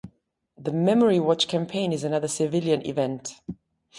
The Memory Watch campaign is another civilian event.